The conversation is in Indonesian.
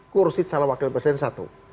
kursi calon wakil presiden satu